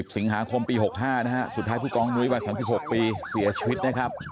สิงหาคมปี๖๕นะฮะสุดท้ายผู้กองนุ้ยวัย๓๖ปีเสียชีวิตนะครับ